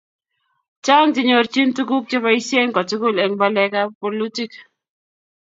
chang chenyorchini tuguk cheboisien kotugul eng balekab bolutik